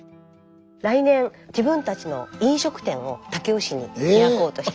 来年自分たちの飲食店を武雄市に。え⁉開こうとして。